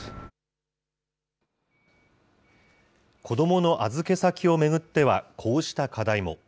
子どもの預け先を巡っては、こうした課題も。